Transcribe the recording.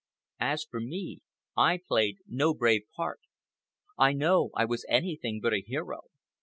As for me, I played no brave part. I know I was anything but a hero.